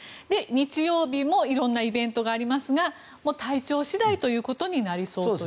日曜日もいろんなイベントがありますが体調次第ということになりそうです。